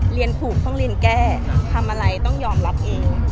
เรียนถูกต้องเรียนแก้ทำอะไรต้องยอมรับเอง